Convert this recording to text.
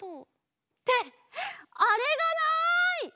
ってあれがない！